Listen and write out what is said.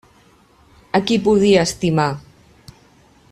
A qui podia estimar?